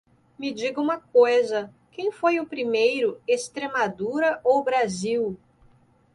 Me diga uma coisa, quem foi o primeiro, Extremadura ou o Brasil?